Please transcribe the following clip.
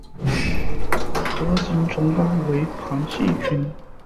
核形虫纲为旁系群。